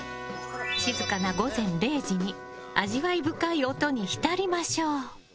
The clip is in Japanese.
静かな午前０時に味わい深い音に浸りましょう。